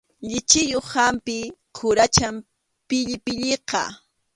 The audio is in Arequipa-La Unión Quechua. Lichiyuq hampi quracham pillipilliqa.